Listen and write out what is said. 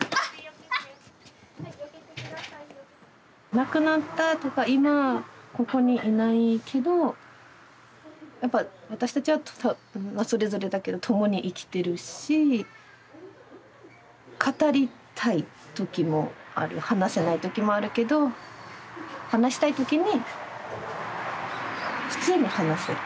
亡くなったとか今ここにいないけどやっぱ私たちはそれぞれだけど共に生きてるし語りたい時もある話せない時もあるけど話したい時に普通に話す。